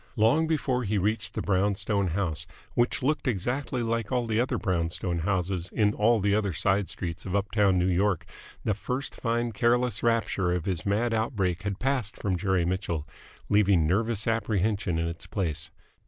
Long before he reached the brown stone house, which looked exactly like all the other brown stone houses in all the other side streets of uptown New York, the first fine careless rapture of his mad outbreak had passed from Jerry Mitchell, leaving nervous apprehension in its place.